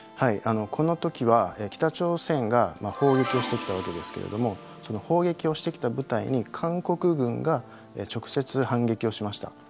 この時は北朝鮮が砲撃をしてきたわけですけれどもその砲撃をしてきた部隊に韓国軍が直接反撃をしました。